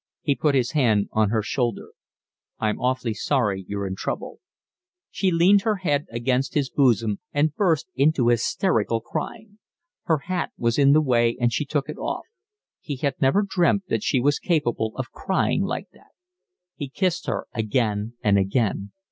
He put his hand on her shoulder. "I'm awfully sorry you're in trouble." She leaned her head against his bosom and burst into hysterical crying. Her hat was in the way and she took it off. He had never dreamt that she was capable of crying like that. He kissed her again and again.